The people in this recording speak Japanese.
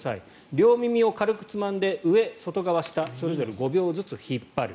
両耳を軽くつまんで上、外側、下それぞれ５秒ずつ引っ張る。